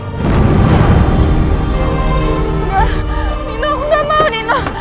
nggak nino aku gak mau nino